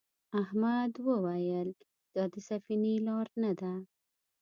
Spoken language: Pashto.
احمد وویل دا د سفینې لار نه ده.